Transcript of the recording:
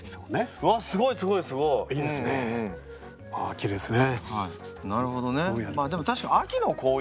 きれいですね。